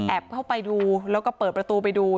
เข้าไปดูแล้วก็เปิดประตูไปดู